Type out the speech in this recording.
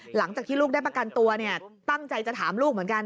หลังจากที่ลูกได้ประกันตัวเนี่ยตั้งใจจะถามลูกเหมือนกัน